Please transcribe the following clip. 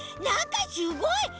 なんかすごい！